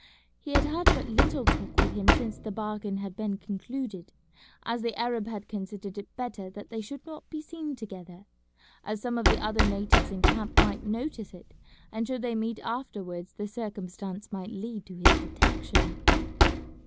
He had had but little talk with him since the bargain had been concluded, as the Arab had considered it better that they should not be seen together, as some of the other natives in camp might notice it, and should they meet afterwards the circumstance might lead to his detection.